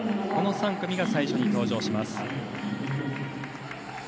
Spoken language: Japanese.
この３組が最初に登場します。